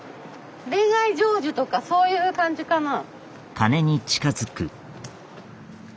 恋愛成就とかそういう感じかな？